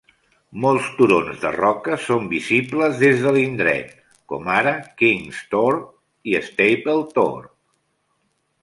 Molts turons de roca són visibles des de l'indret, com ara King's Tor i Staple Tor.